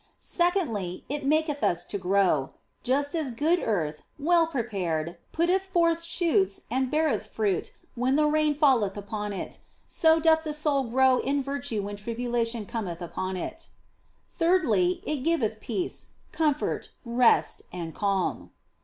Secondly, it maketh us to grow ; just as good earth, well prepared, putteth forth shoots and beareth fruit when the rain falleth upon it, so doth the soul grow in virtue when tribulation cometh upon it. Thirdly, it giveth peace, comfort, rest, and calm.